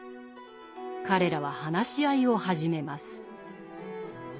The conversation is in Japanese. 彼らは話し合いを始めます。